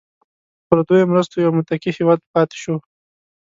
په پردیو مرستو یو متکي هیواد پاتې شوی.